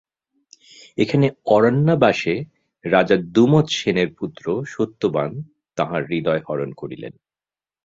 এখানে অরণ্যাবাসে রাজা দ্যুমৎসেনের পুত্র সত্যবান তাঁহার হৃদয় হরণ করিলেন।